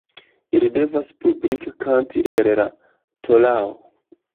Ili devas publike kanti el la torao.